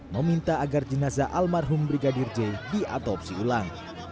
meminta agar jenazah almarhum brigadir j diatopsi ulang